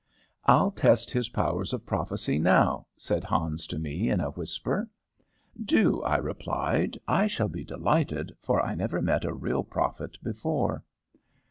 "I'll test his powers of prophecy now," said Hans to me, in a whisper. "Do," I replied. "I shall be delighted, for I never met a real prophet before."